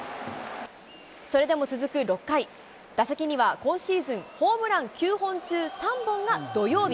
それでも続く６回、打席には今シーズンホームラン９本中３本が土曜日。